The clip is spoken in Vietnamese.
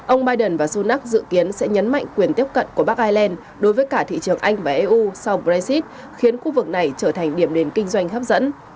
ông biden và sunak dự kiến sẽ nhấn mạnh quyền tiếp cận của bắc ireland đối với cả thị trường anh và eu sau brexit khiến khu vực này trở thành điểm đến kinh doanh hấp dẫn